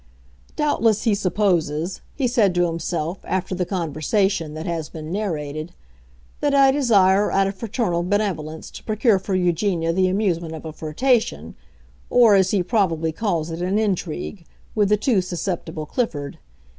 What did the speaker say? "Doubtless he supposes," he said to himself, after the conversation that has been narrated, "that I desire, out of fraternal benevolence, to procure for Eugenia the amusement of a flirtation—or, as he probably calls it, an intrigue—with the too susceptible Clifford.